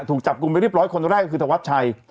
ถูกจับกลุ่มไปเรียบร้อยคนแรกก็คือธวัดชัย